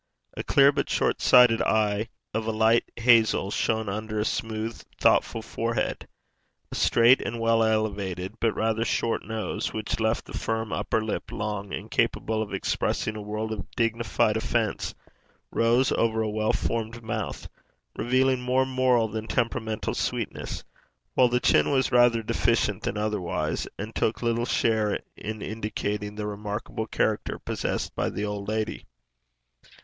A clear but short sighted eye of a light hazel shone under a smooth thoughtful forehead; a straight and well elevated, but rather short nose, which left the firm upper lip long and capable of expressing a world of dignified offence, rose over a well formed mouth, revealing more moral than temperamental sweetness; while the chin was rather deficient than otherwise, and took little share in indicating the remarkable character possessed by the old lady.